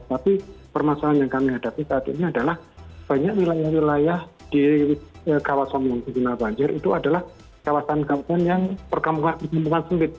tapi permasalahan yang kami hadapi saat ini adalah banyak wilayah wilayah di kawasan yang terkena banjir itu adalah kawasan kawasan yang perkampungan sulit